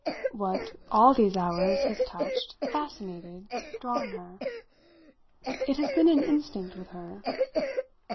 "What, all these hours, has touched, fascinated, drawn her. It has been an instinct with her."